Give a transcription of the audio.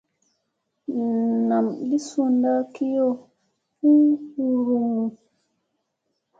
Nam li suunda kiyo u hurun mu.